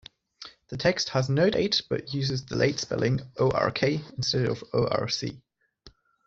The text has no date, but uses the late spelling "Ork" instead of "Orc".